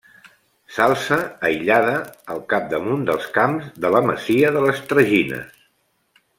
S'alça, aïllada, al cap d'amunt dels camps de la masia de les Tragines.